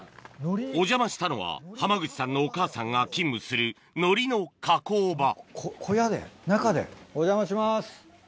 お邪魔したのは濱口さんのお母さんが勤務する海苔の加工場小屋で中で。